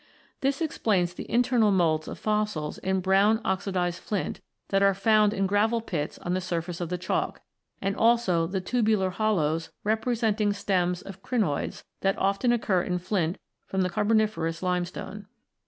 This explains the internal moulds of fossils in brown oxidised flint that are found in gravel pits on the surface of the Chalk, and also the tubular hollows, representing stems of crinoids, that often occur in flint from the Carboniferous Limestone.